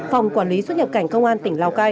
phòng quản lý xuất nhập cảnh công an tỉnh lào cai